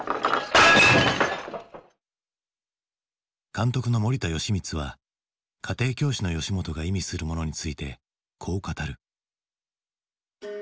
監督の森田芳光は家庭教師の吉本が意味するものについてこう語る。